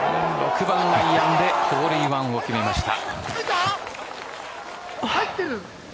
６番アイアンでホールインワンを決めました。